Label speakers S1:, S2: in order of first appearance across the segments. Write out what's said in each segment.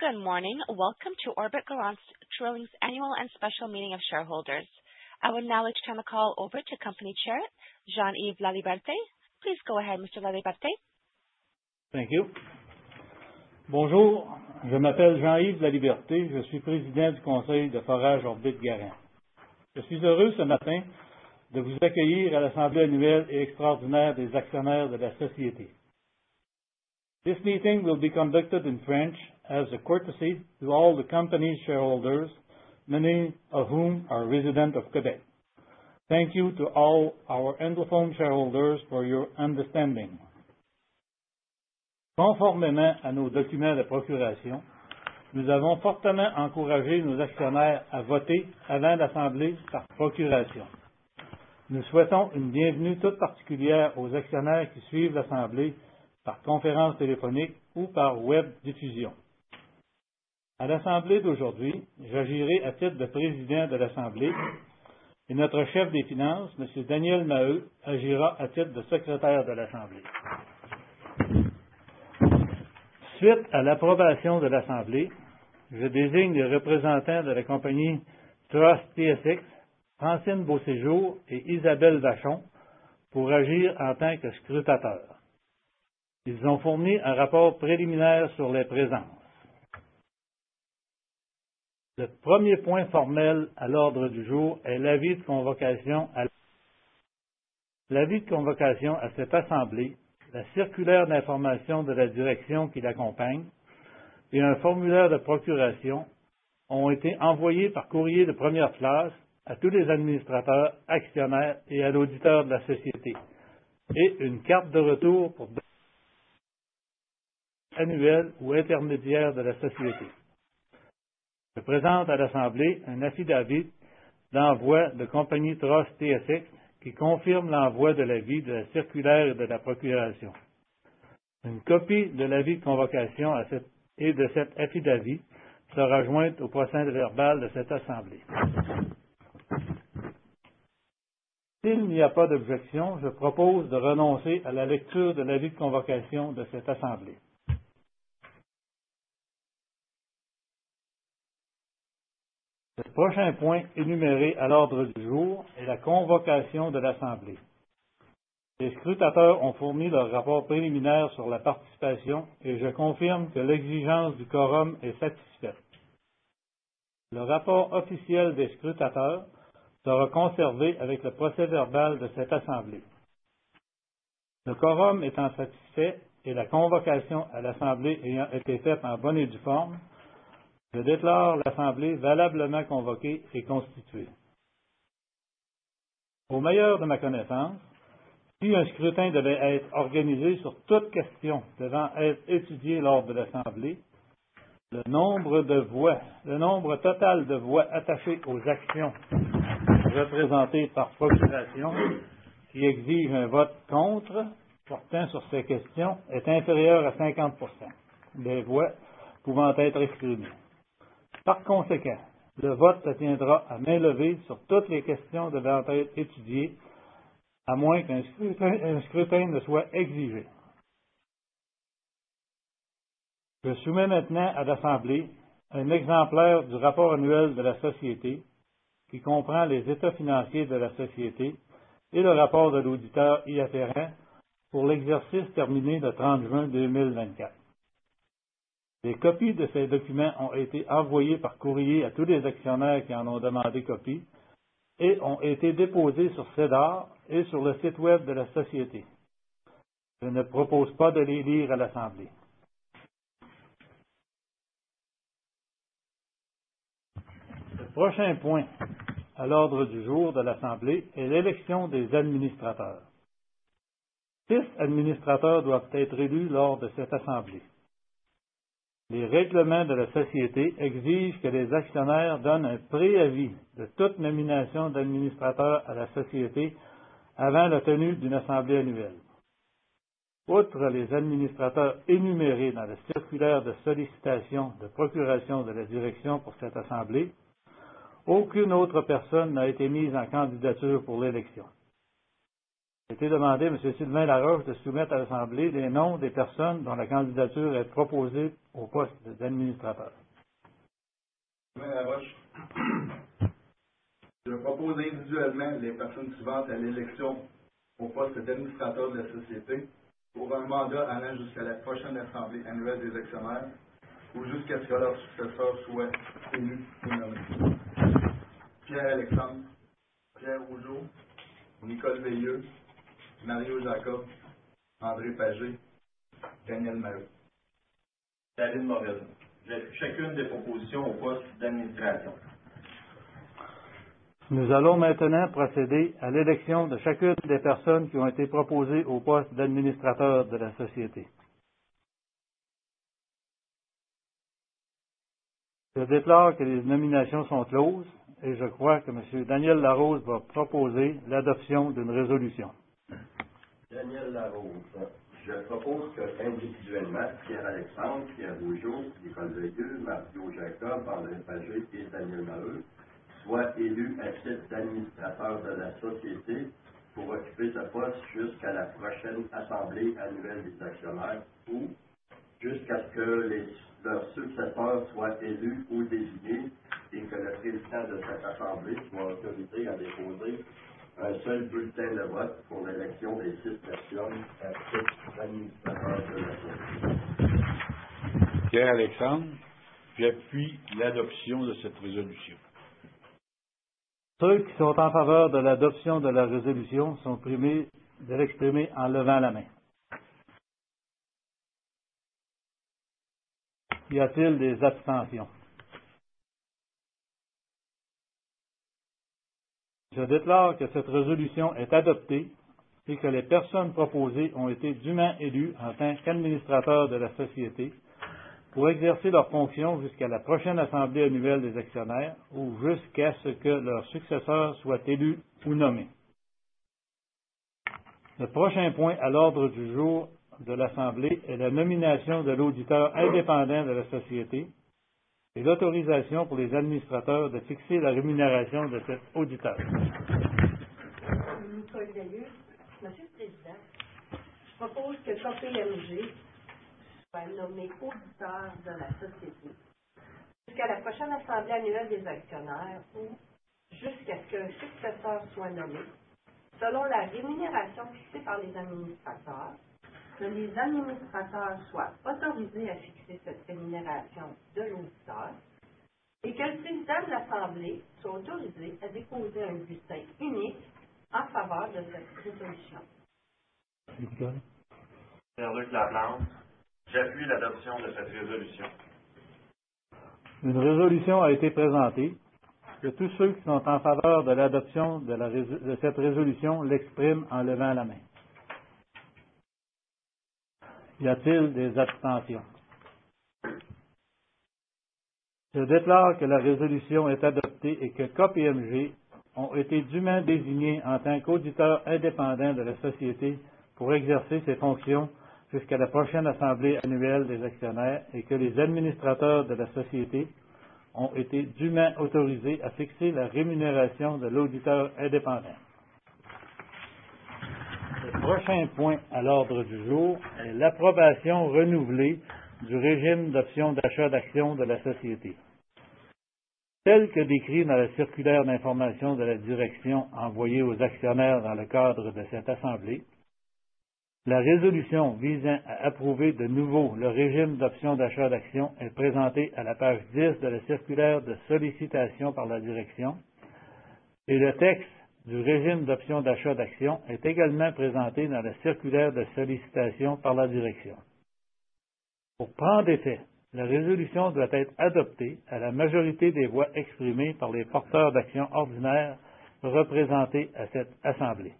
S1: Good morning. Welcome to Orbit Garant Drilling's annual and special meeting of shareholders. I will now return the call over to company chair, Jean-Yves Laliberté. Please go ahead, Mr. Laliberté.
S2: Thank you. Bonjour. Je m'appelle Jean-Yves Laliberté, je suis président du conseil de Forage Orbit Garant. Je suis heureux ce matin de vous accueillir à l'assemblée annuelle et extraordinaire des actionnaires de la société. This meeting will be conducted in French as a courtesy to all the company's shareholders, many of whom are residents of Québec. Thank you to all our anglophone shareholders for your understanding. Conformément à nos documents de procuration, nous avons fortement encouragé nos actionnaires à voter avant l'assemblée par procuration. Nous souhaitons une bienvenue toute particulière aux actionnaires qui suivent l'assemblée par conférence téléphonique ou par web diffusion. À l'assemblée d'aujourd'hui, j'agirai à titre de président de l'assemblée et notre chef des finances, M. Daniel Maheu, agira à titre de secrétaire de l'assemblée. Suite à l'approbation de l'assemblée, je désigne les représentants de la compagnie Trust TSX, Francine Beauséjour et Isabelle Vachon pour agir en tant que scrutateurs. Ils ont fourni un rapport préliminaire sur les présences. Le premier point formel à l'ordre du jour est l'avis de convocation à cette assemblée. La circulaire d'information de la direction qui l'accompagne et un formulaire de procuration ont été envoyés par courrier de première classe à tous les administrateurs, actionnaires et à l'auditeur de la société, ainsi qu'une carte de retour pour le rapport annuel ou intermédiaire de la société. Je présente à l'assemblée un affidavit d'envoi de la compagnie Trust TSX qui confirme l'envoi de l'avis, de la circulaire et de la procuration. Une copie de l'avis de convocation et de cet affidavit sera jointe au procès-verbal de cette assemblée. S'il n'y a pas d'objection, je propose de renoncer à la lecture de l'avis de convocation de cette assemblée. Le prochain point énuméré à l'ordre du jour est la convocation de l'assemblée. Les scrutateurs ont fourni leur rapport préliminaire sur la participation et je confirme que l'exigence du quorum est satisfaite. Le rapport officiel des scrutateurs sera conservé avec le procès-verbal de cette assemblée. Le quorum étant satisfait et la convocation à l'assemblée ayant été faite en bonne et due forme, je déclare l'assemblée valablement convoquée et constituée. Au meilleur de ma connaissance, si un scrutin devait être organisé sur toute question devant être étudiée lors de l'assemblée, le nombre de voix, le nombre total de voix attachées aux actions représentées par procuration qui exigent un vote contre portant sur ces questions est inférieur à 50% des voix pouvant être exprimées. Par conséquent, le vote s'effectuera à main levée sur toutes les questions devant être étudiées à moins qu'un scrutin ne soit exigé. Je soumets maintenant à l'assemblée un exemplaire du rapport annuel de la société qui comprend les états financiers de la société et le rapport de l'auditeur y afférant pour l'exercice terminé le 30 juin 2024. Des copies de ces documents ont été envoyées par courrier à tous les actionnaires qui en ont demandé copie et ont été déposées sur SEDAR et sur le site web de la société. Je ne propose pas de les lire à l'assemblée. Le prochain point à l'ordre du jour de l'assemblée est l'élection des administrateurs. Six administrateurs doivent être élus lors de cette assemblée. Les règlements de la société exigent que les actionnaires donnent un préavis de toute nomination d'administrateurs à la société avant la tenue d'une assemblée annuelle. Outre les administrateurs énumérés dans la circulaire de sollicitation de procuration de la direction pour cette assemblée, aucune autre personne n'a été mise en candidature pour l'élection. J'ai demandé à M. Sylvain Laroche de soumettre à l'assemblée les noms des personnes dont la candidature est proposée au poste d'administrateur. M. Laroche, je propose individuellement les personnes suivantes à l'élection au poste d'administrateur de la société pour un mandat allant jusqu'à la prochaine assemblée annuelle des actionnaires ou jusqu'à ce que leur successeur soit élu ou nommé: Pierre-Alexandre, Pierre Augeot, Nicole Veilleux, Mario Jacob, André Paget, Daniel Maheu, David Morele, avec chacune des propositions au poste d'administration. Nous allons maintenant procéder à l'élection de chacune des personnes qui ont été proposées au poste d'administrateur de la société. Je déclare que les nominations sont closes et je crois que M. Daniel Larose va proposer l'adoption d'une résolution. Daniel Larose, je propose qu'individuellement, Pierre-Alexandre, Pierre Augeot, Nicole Veilleux, Mario Jacob, André Paget et Daniel Maheu soient élus à titre d'administrateurs de la société pour occuper ce poste jusqu'à la prochaine assemblée annuelle des actionnaires ou jusqu'à ce que leur successeur soit élu ou désigné et que le président de cette assemblée soit autorisé à déposer un seul bulletin de vote pour l'élection des six personnes à titre d'administrateurs de la société.
S3: Pierre-Alexandre, j'appuie l'adoption de cette résolution.
S2: Ceux qui sont en faveur de l'adoption de la résolution sont priés de l'exprimer en levant la main. Y a-t-il des abstentions ? Je déclare que cette résolution est adoptée et que les personnes proposées ont été dûment élues en tant qu'Administrateurs de la société pour exercer leurs fonctions jusqu'à la prochaine assemblée annuelle des actionnaires ou jusqu'à ce que leur successeur soit élu ou nommé. Le prochain point à l'ordre du jour de l'assemblée est la nomination de l'auditeur indépendant de la société et l'autorisation pour les Administrateurs de fixer la rémunération de cet auditeur.
S4: Nicole Veilleux, M. le président, je propose que KPMG soit nommée auditeur de la société jusqu'à la prochaine assemblée annuelle des actionnaires ou jusqu'à ce qu'un successeur soit nommé, selon la rémunération fixée par les administrateurs, que les administrateurs soient autorisés à fixer cette rémunération de l'auditeur et que le président de l'assemblée soit autorisé à déposer un bulletin unique en faveur de cette résolution.
S2: Nicole? Pierre-Luc Laplante, j'appuie l'adoption de cette résolution. Une résolution a été présentée. Que tous ceux qui sont en faveur de l'adoption de cette résolution l'expriment en levant la main. Y a-t-il des abstentions? Je déclare que la résolution est adoptée et que KPMG a été dûment désigné en tant qu'auditeur indépendant de la société pour exercer ses fonctions jusqu'à la prochaine assemblée annuelle des actionnaires et que les administrateurs de la société ont été dûment autorisés à fixer la rémunération de l'auditeur indépendant. Le prochain point à l'ordre du jour est l'approbation renouvelée du régime d'option d'achat d'actions de la société. Tel que décrit dans la circulaire d'information de la direction envoyée aux actionnaires dans le cadre de cette assemblée, la résolution visant à approuver de nouveau le régime d'option d'achat d'actions est présentée à la page 10 de la circulaire de sollicitation par la direction et le texte du régime d'option d'achat d'actions est également présenté dans la circulaire de sollicitation par la direction. Pour prendre effet, la résolution doit être adoptée à la majorité des voix exprimées par les porteurs d'actions ordinaires représentés à cette assemblée.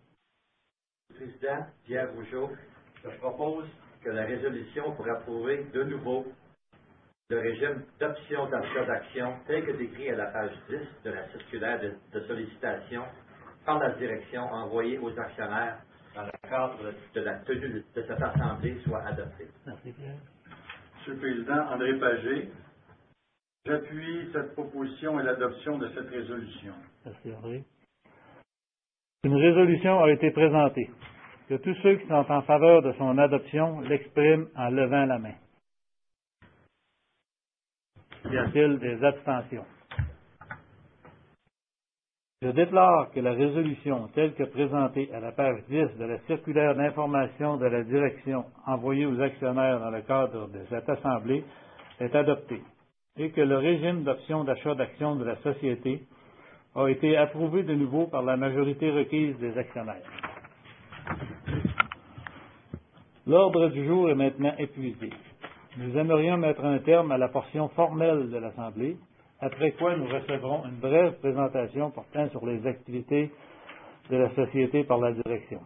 S2: M. le Président, Pierre Augeot, je propose que la résolution pour approuver de nouveau le régime d'option d'achat d'actions tel que décrit à la page 10 de la circulaire de sollicitation par la direction envoyée aux actionnaires dans le cadre de la tenue de cette assemblée soit adoptée. Merci, Pierre.
S3: M. le Président, André Paget, j'appuie cette proposition et l'adoption de cette résolution.
S2: Merci, André. Une résolution a été présentée. Que tous ceux qui sont en faveur de son adoption l'expriment en levant la main. Y a-t-il des abstentions ? Je déclare que la résolution telle que présentée à la page 10 de la circulaire d'information de la direction envoyée aux actionnaires dans le cadre de cette assemblée est adoptée et que le régime d'option d'achat d'actions de la société a été approuvé de nouveau par la majorité requise des actionnaires. L'ordre du jour est maintenant épuisé. Nous aimerions mettre un terme à la portion formelle de l'assemblée, après quoi nous recevrons une brève présentation portant sur les activités de la société par la direction.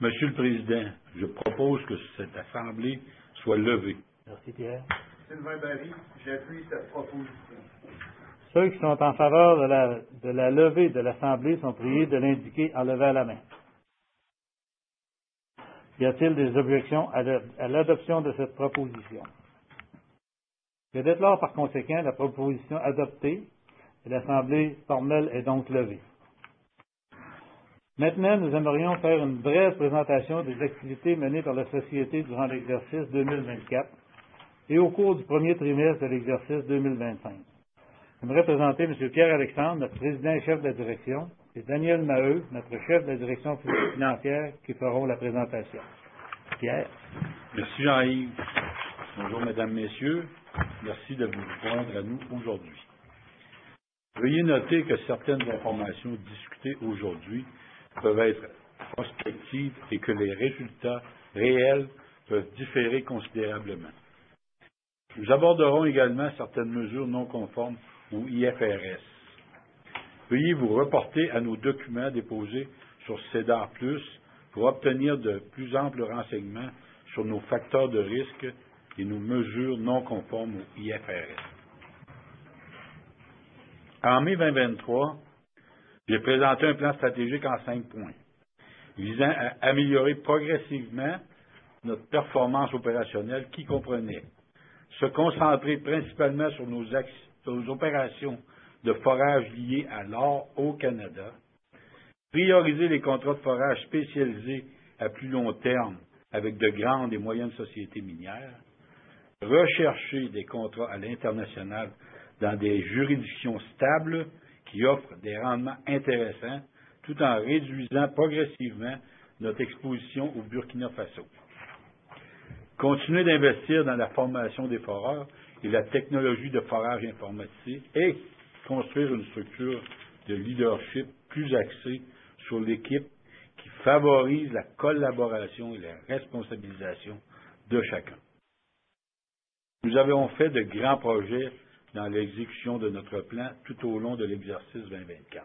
S3: M. le Président, je propose que cette assemblée soit levée.
S2: Merci, Pierre. M. Lavey-Barry, j'appuie cette proposition. Ceux qui sont en faveur de la levée de l'assemblée sont priés de l'indiquer en levant la main. Y a-t-il des objections à l'adoption de cette proposition? Je déclare par conséquent la proposition adoptée et l'assemblée formelle est donc levée. Maintenant, nous aimerions faire une brève présentation des activités menées par la société durant l'exercice 2024 et au cours du premier trimestre de l'exercice 2025. J'aimerais présenter M. Pierre-Alexandre, notre Président et Chef de la Direction, et Daniel Maheu, notre Chef de la Direction Financière, qui feront la présentation. Pierre?
S3: Monsieur Jean-Yves, bonjour, Mesdames et Messieurs. Merci de vous joindre à nous aujourd'hui. Veuillez noter que certaines informations discutées aujourd'hui peuvent être prospectives et que les résultats réels peuvent différer considérablement. Nous aborderons également certaines mesures non conformes aux IFRS. Veuillez vous reporter à nos documents déposés sur SEDAR Plus pour obtenir de plus amples renseignements sur nos facteurs de risque et nos mesures non conformes aux IFRS. En mai 2023, j'ai présenté un plan stratégique en cinq points visant à améliorer progressivement notre performance opérationnelle, qui comprenait se concentrer principalement sur nos opérations de forage liées à l'or au Canada, prioriser les contrats de forage spécialisés à plus long terme avec de grandes et moyennes sociétés minières, rechercher des contrats à l'international dans des juridictions stables qui offrent des rendements intéressants tout en réduisant progressivement notre exposition au Burkina Faso, continuer d'investir dans la formation des foreurs et la technologie de forage informatisée et construire une structure de leadership plus axée sur l'équipe qui favorise la collaboration et la responsabilisation de chacun. Nous avons fait de grands progrès dans l'exécution de notre plan tout au long de l'exercice 2024.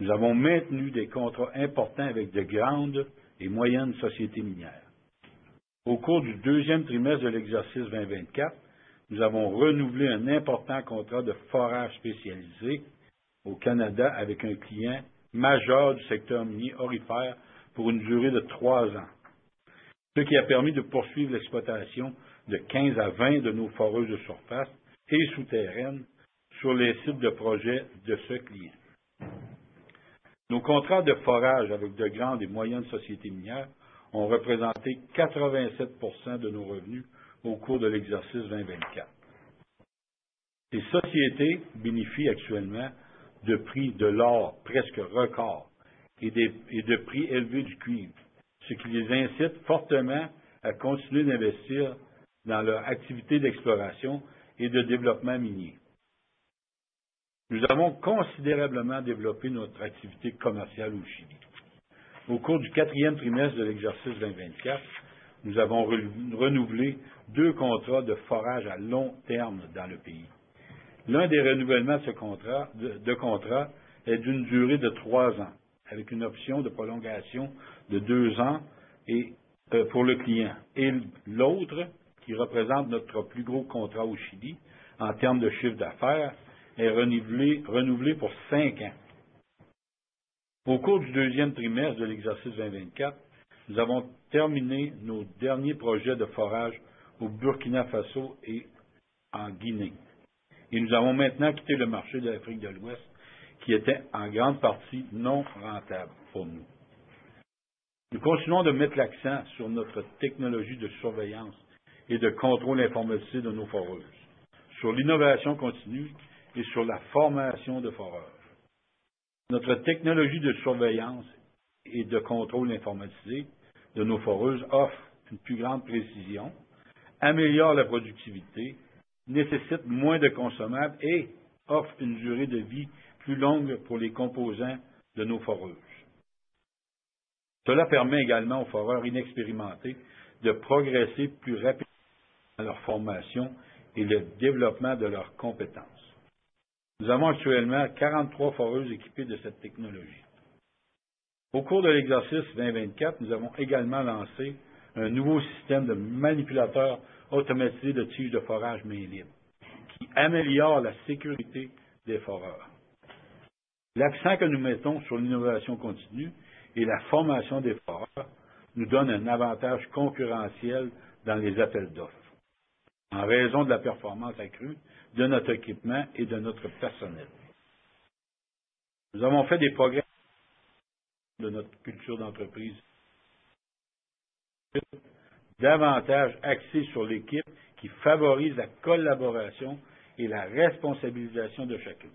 S3: Nous avons maintenu des contrats importants avec de grandes et moyennes sociétés minières. Au cours du deuxième trimestre de l'exercice 2024, nous avons renouvelé un important contrat de forage spécialisé au Canada avec un client majeur du secteur minier aurifère pour une durée de trois ans, ce qui a permis de poursuivre l'exploitation de 15 à 20 de nos foreuses de surface et souterraines sur les sites de projet de ce client. Nos contrats de forage avec de grandes et moyennes sociétés minières ont représenté 87% de nos revenus au cours de l'exercice 2024. Les sociétés bénéficient actuellement de prix de l'or presque record et de prix élevés du cuivre, ce qui les incite fortement à continuer d'investir dans leur activité d'exploration et de développement minier. Nous avons considérablement développé notre activité commerciale au Chili. Au cours du quatrième trimestre de l'exercice 2024, nous avons renouvelé deux contrats de forage à long terme dans le pays. L'un des renouvellements de contrats est d'une durée de trois ans avec une option de prolongation de deux ans pour le client et l'autre, qui représente notre plus gros contrat au Chili en termes de chiffre d'affaires, est renouvelé pour cinq ans. Au cours du deuxième trimestre de l'exercice 2024, nous avons terminé nos derniers projets de forage au Burkina Faso et en Guinée et nous avons maintenant quitté le marché de l'Afrique de l'Ouest, qui était en grande partie non rentable pour nous. Nous continuons de mettre l'accent sur notre technologie de surveillance et de contrôle informatisé de nos foreuses, sur l'innovation continue et sur la formation de foreurs. Notre technologie de surveillance et de contrôle informatisé de nos foreuses offre une plus grande précision, améliore la productivité, nécessite moins de consommables et offre une durée de vie plus longue pour les composants de nos foreuses. Cela permet également aux foreurs inexpérimentés de progresser plus rapidement dans leur formation et le développement de leurs compétences. Nous avons actuellement 43 foreuses équipées de cette technologie. Au cours de l'exercice 2024, nous avons également lancé un nouveau système de manipulateur automatisé de tige de forage main libre qui améliore la sécurité des foreurs. L'accent que nous mettons sur l'innovation continue et la formation des foreurs nous donne un avantage concurrentiel dans les appels d'offres en raison de la performance accrue de notre équipement et de notre personnel. Nous avons fait des progrès dans notre culture d'entreprise davantage axée sur l'équipe qui favorise la collaboration et la responsabilisation de chacun.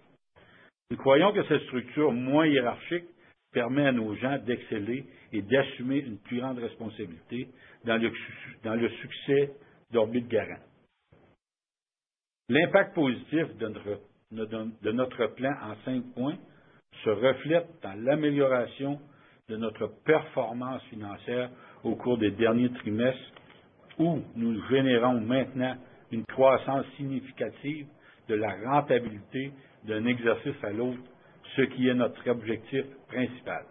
S3: Nous croyons que cette structure moins hiérarchique permet à nos gens d'exceller et d'assumer une plus grande responsabilité dans le succès d'Orbit Garant. L'impact positif de notre plan en cinq points se reflète dans l'amélioration de notre performance financière au cours des derniers trimestres où nous générons maintenant une croissance significative de la rentabilité d'un exercice à l'autre, ce qui est notre objectif principal.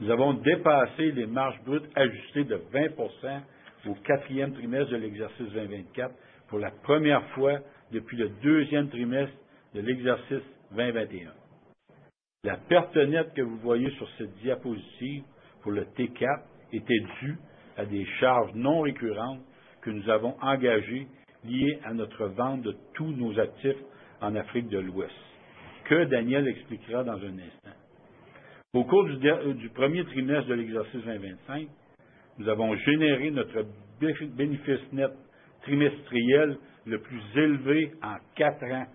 S3: Nous avons dépassé les marges brutes ajustées de 20% au quatrième trimestre de l'exercice 2024 pour la première fois depuis le deuxième trimestre de l'exercice 2021. La perte nette que vous voyez sur cette diapositive pour le T4 était due à des charges non récurrentes que nous avons engagées liées à notre vente de tous nos actifs en Afrique de l'Ouest, que Daniel expliquera dans un instant. Au cours du premier trimestre de l'exercice 2025, nous avons généré notre bénéfice net trimestriel le plus élevé en quatre ans.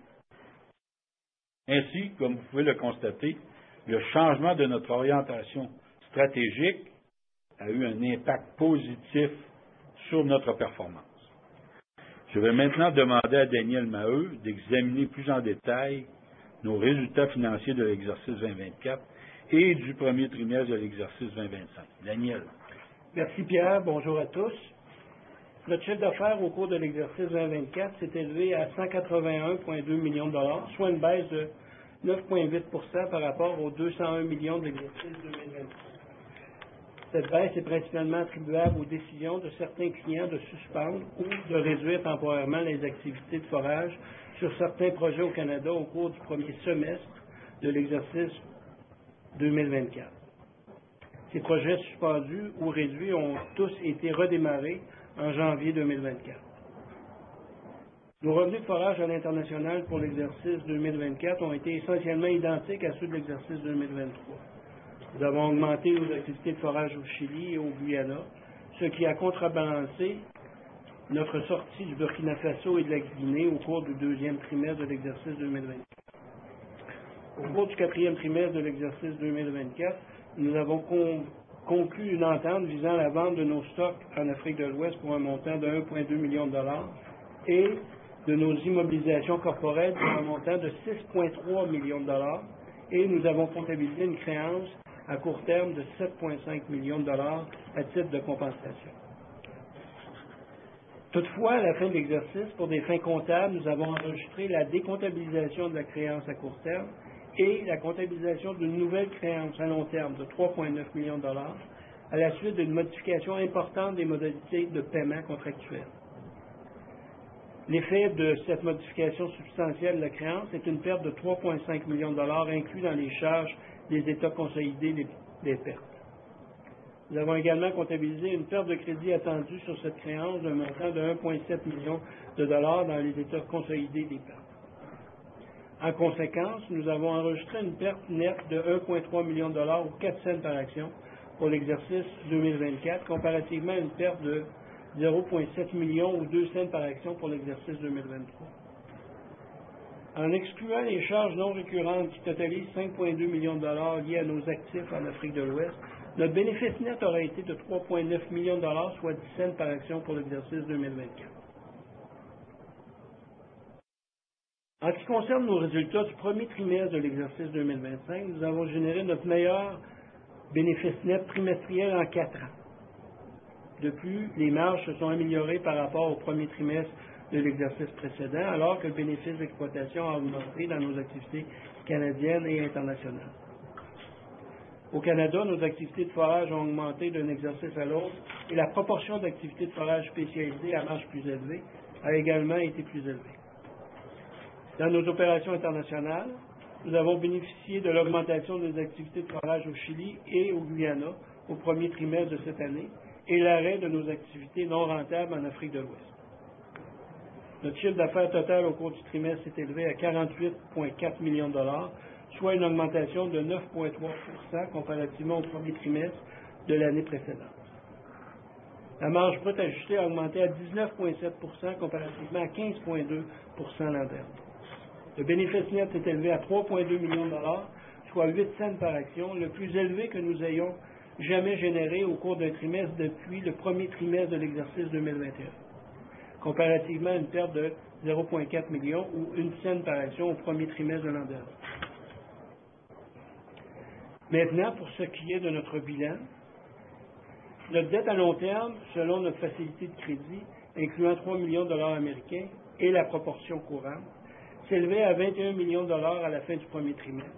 S3: Ainsi, comme vous pouvez le constater, le changement de notre orientation stratégique a eu un impact positif sur notre performance. Je vais maintenant demander à Daniel Maheu d'examiner plus en détail nos résultats financiers de l'exercice 2024 et du premier trimestre de l'exercice 2025. Daniel?
S5: Merci, Pierre. Bonjour à tous. Notre chiffre d'affaires au cours de l'exercice 2024 s'est élevé à 181,2 millions de dollars, soit une baisse de 9,8% par rapport aux 201 millions de l'exercice 2023. Cette baisse est principalement attribuable aux décisions de certains clients de suspendre ou de réduire temporairement les activités de forage sur certains projets au Canada au cours du premier semestre de l'exercice 2024. Ces projets suspendus ou réduits ont tous été redémarrés en janvier 2024. Nos revenus de forage à l'international pour l'exercice 2024 ont été essentiellement identiques à ceux de l'exercice 2023. Nous avons augmenté nos activités de forage au Chili et au Guyana, ce qui a contrebalancé notre sortie du Burkina Faso et de la Guinée au cours du deuxième trimestre de l'exercice 2024. Au cours du quatrième trimestre de l'exercice 2024, nous avons conclu une entente visant la vente de nos stocks en Afrique de l'Ouest pour un montant de 1,2 million de dollars et de nos immobilisations corporelles pour un montant de 6,3 millions de dollars, et nous avons comptabilisé une créance à court terme de 7,5 millions de dollars à titre de compensation. Toutefois, à la fin de l'exercice, pour des fins comptables, nous avons enregistré la décomptabilisation de la créance à court terme et la comptabilisation d'une nouvelle créance à long terme de 3,9 millions de dollars à la suite d'une modification importante des modalités de paiement contractuelles. L'effet de cette modification substantielle de la créance est une perte de 3,5 millions de dollars incluse dans les charges des états consolidés des pertes. Nous avons également comptabilisé une perte de crédit attendue sur cette créance d'un montant de 1,7 million de dollars dans les états consolidés des pertes. En conséquence, nous avons enregistré une perte nette de 1,3 million de dollars ou 4 cents par action pour l'exercice 2024, comparativement à une perte de 0,7 million ou 2 cents par action pour l'exercice 2023. En excluant les charges non récurrentes qui totalisent 5,2 millions de dollars liés à nos actifs en Afrique de l'Ouest, notre bénéfice net aurait été de 3,9 millions de dollars, soit 10 cents par action pour l'exercice 2024. En ce qui concerne nos résultats du premier trimestre de l'exercice 2025, nous avons généré notre meilleur bénéfice net trimestriel en quatre ans. De plus, les marges se sont améliorées par rapport au premier trimestre de l'exercice précédent, alors que le bénéfice d'exploitation a augmenté dans nos activités canadiennes et internationales. Au Canada, nos activités de forage ont augmenté d'un exercice à l'autre et la proportion d'activités de forage spécialisées à marge plus élevée a également été plus élevée. Dans nos opérations internationales, nous avons bénéficié de l'augmentation des activités de forage au Chili et au Guyana au premier trimestre de cette année et l'arrêt de nos activités non rentables en Afrique de l'Ouest. Notre chiffre d'affaires total au cours du trimestre s'est élevé à 48,4 millions de dollars, soit une augmentation de 9,3% comparativement au premier trimestre de l'année précédente. La marge brute ajustée a augmenté à 19,7% comparativement à 15,2% l'an dernier. Le bénéfice net s'est élevé à 3,2 millions de dollars, soit 8 cents par action, le plus élevé que nous ayons jamais généré au cours d'un trimestre depuis le premier trimestre de l'exercice 2021, comparativement à une perte de 0,4 million ou 1 cent par action au premier trimestre de l'an dernier. Maintenant, pour ce qui est de notre bilan, notre dette à long terme, selon notre facilité de crédit, incluant 3 millions de dollars américains et la proportion courante, s'élevait à 21 millions de dollars à la fin du premier trimestre,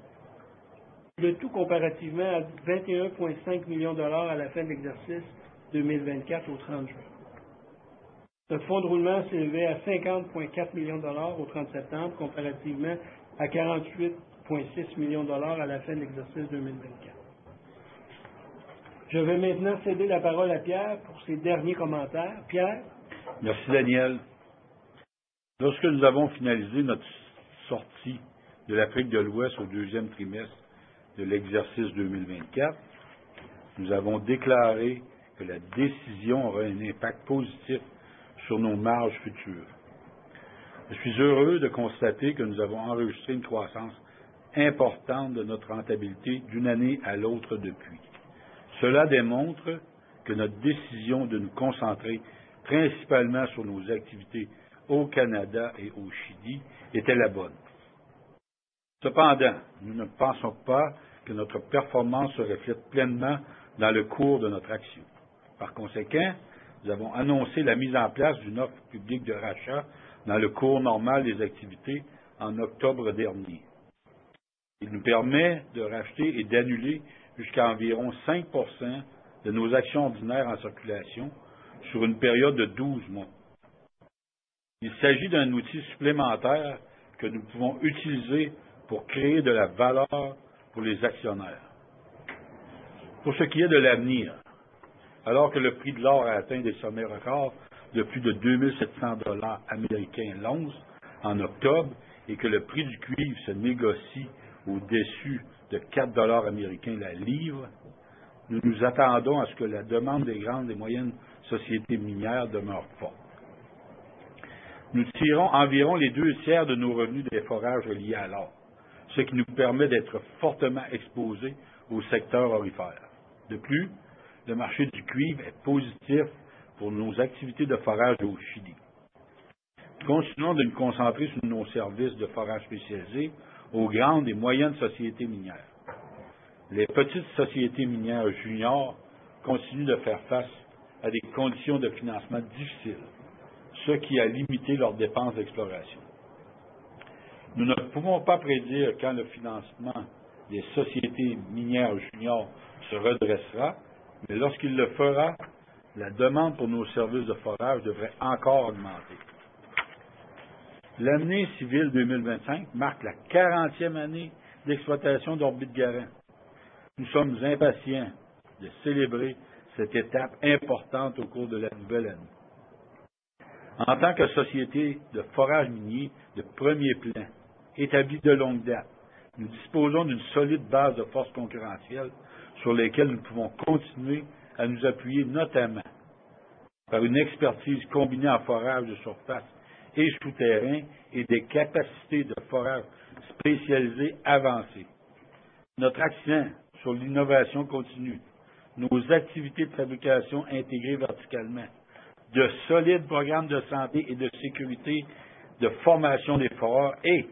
S5: le tout comparativement à 21,5 millions de dollars à la fin de l'exercice 2024 au 30 juin. Notre fonds de roulement s'élevait à 50,4 millions de dollars au 30 septembre, comparativement à 48,6 millions de dollars à la fin de l'exercice 2024. Je vais maintenant céder la parole à Pierre pour ses derniers commentaires. Pierre.
S3: Merci, Daniel. Lorsque nous avons finalisé notre sortie de l'Afrique de l'Ouest au deuxième trimestre de l'exercice 2024, nous avons déclaré que la décision aurait un impact positif sur nos marges futures. Je suis heureux de constater que nous avons enregistré une croissance importante de notre rentabilité d'une année à l'autre depuis. Cela démontre que notre décision de nous concentrer principalement sur nos activités au Canada et au Chili était la bonne. Cependant, nous ne pensons pas que notre performance se reflète pleinement dans le cours de notre action. Par conséquent, nous avons annoncé la mise en place d'une offre publique de rachat dans le cours normal des activités en octobre dernier. Il nous permet de racheter et d'annuler jusqu'à environ 5% de nos actions ordinaires en circulation sur une période de 12 mois. Il s'agit d'un outil supplémentaire que nous pouvons utiliser pour créer de la valeur pour les actionnaires. Pour ce qui est de l'avenir, alors que le prix de l'or a atteint des sommets records de plus de 2 700 $ US l'once en octobre et que le prix du cuivre se négocie au-dessus de 4 $ US la livre, nous nous attendons à ce que la demande des grandes et moyennes sociétés minières demeure forte. Nous tirons environ les deux tiers de nos revenus des forages reliés à l'or, ce qui nous permet d'être fortement exposés au secteur aurifère. De plus, le marché du cuivre est positif pour nos activités de forage au Chili. Nous continuons de nous concentrer sur nos services de forage spécialisés aux grandes et moyennes sociétés minières. Les petites sociétés minières juniors continuent de faire face à des conditions de financement difficiles, ce qui a limité leurs dépenses d'exploration. Nous ne pouvons pas prédire quand le financement des sociétés minières juniors se redressera, mais lorsqu'il le fera, la demande pour nos services de forage devrait encore augmenter. L'année civile 2025 marque la 40e année d'exploitation d'Orbit Garant. Nous sommes impatients de célébrer cette étape importante au cours de la nouvelle année. En tant que société de forage minier de premier plan, établie de longue date, nous disposons d'une solide base de force concurrentielle sur laquelle nous pouvons continuer à nous appuyer, notamment par une expertise combinée en forage de surface et souterrain et des capacités de forage spécialisé avancées. Notre accent sur l'innovation continue, nos activités de fabrication intégrées verticalement, de solides programmes de santé et de sécurité, de formation des foreurs et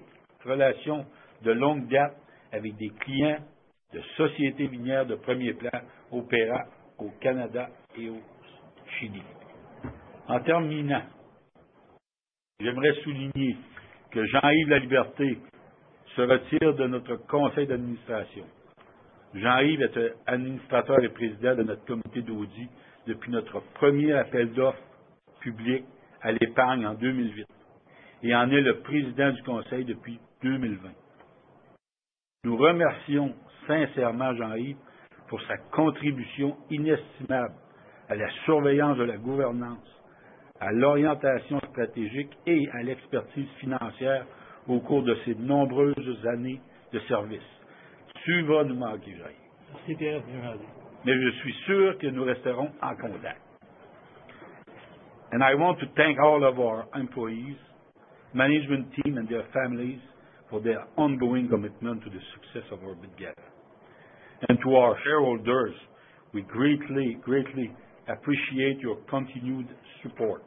S3: relations de longue date avec des clients de sociétés minières de premier plan opérant au Canada et au Chili. En terminant, j'aimerais souligner que Jean-Yves Laliberté se retire de notre conseil d'administration. Jean-Yves est administrateur et président de notre comité d'audit depuis notre premier appel public à l'épargne en 2008 et en est le président du conseil depuis 2020. Nous remercions sincèrement Jean-Yves pour sa contribution inestimable à la surveillance de la gouvernance, à l'orientation stratégique et à l'expertise financière au cours de ses nombreuses années de service. Tu vas nous manquer, Jean-Yves.
S5: Merci, Pierre, bien rendu.
S3: Mais je suis sûr que nous resterons en contact. And I want to thank all of our employees, management team, and their families for their ongoing commitment to the success of Orbit Garant. And to our shareholders, we greatly, greatly appreciate your continued support.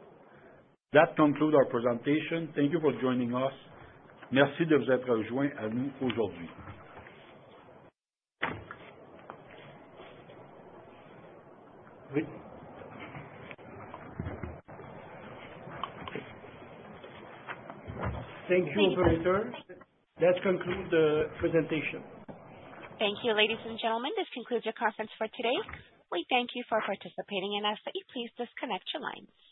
S3: That concludes our presentation. Thank you for joining us. Merci de vous être joints à nous aujourd'hui.
S5: Oui. Thank you, operators. That concludes the presentation.
S1: Thank you, ladies and gentlemen. This concludes your conference for today. We thank you for participating and ask that you please disconnect your lines.